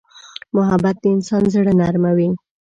محبت د انسان زړه نرموي.